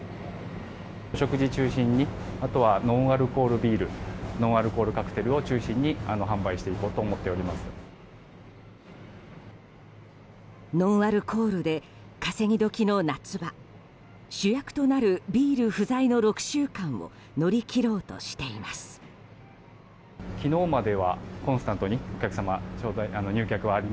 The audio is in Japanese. ノンアルコールで稼ぎ時の夏場主役となるビール不在の６週間を乗り切ろうとしています。